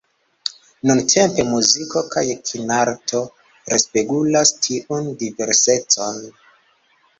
Nuntempe muziko kaj kinarto respegulas tiun diversecon.